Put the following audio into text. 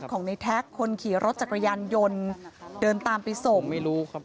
ของในแท็กคนขี่รถจักรยานยนต์เดินตามไปส่งไม่รู้ครับ